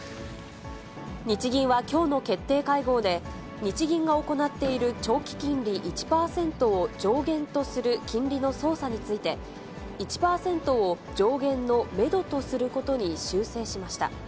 日銀はきょうの決定会合で、日銀が行っている長期金利１％を上限とする金利の操作について、１％を上限のメドとすることに修正しました。